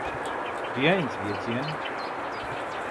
hiẏanc giyaćiyen